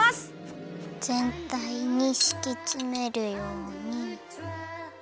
ぜんたいにしきつめるように。